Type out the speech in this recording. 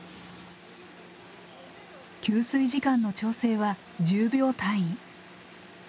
吸水時間の調整は１０秒単位。